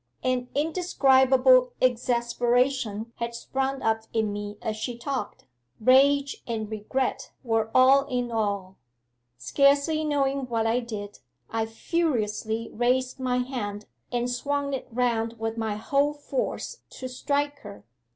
'An indescribable exasperation had sprung up in me as she talked rage and regret were all in all. Scarcely knowing what I did, I furiously raised my hand and swung it round with my whole force to strike her.